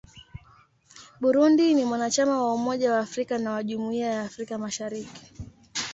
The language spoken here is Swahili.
Burundi ni mwanachama wa Umoja wa Afrika na wa Jumuiya ya Afrika Mashariki.